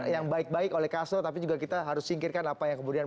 yang baik baik oleh castle tapi juga kita harus singkirkan apa yang kemudian